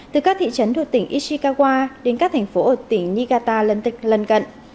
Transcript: từ các thị trấn thuộc tỉnh ishikawa đến các thành phố ở tỉnh niigata lân tịch lân cận